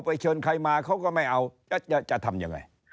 เชิญใครมาเขาก็ไม่เอาจะทำยังไง